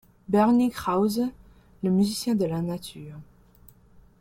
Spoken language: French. Bernie Krause, le musicien de la nature.